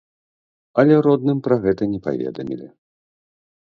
Але родным пра гэта не паведамілі.